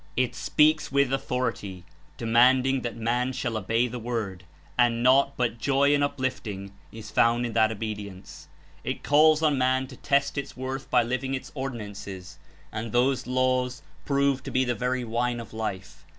It speaks with authority, demanding that man shall obey the Word, and naught but joy and uplifting is found in that obedience. It calls on man to test its worth by living its Ordinances, and those laws prove to be the very wine of Life.